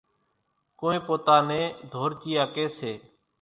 ڪونئين پوتا نين ڌورچيئا ڪيَ سي۔